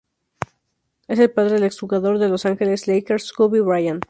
Es el padre del exjugador de Los Angeles Lakers Kobe Bryant.